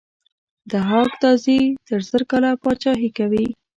ضحاک تازي تر زر کاله پاچهي کوي.